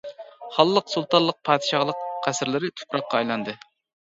خانلىق، سۇلتانلىق، پادىشاھلىق قەسىرلىرى تۇپراققا ئايلاندى.